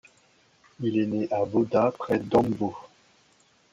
Il est né à Boda, près d'Ambo.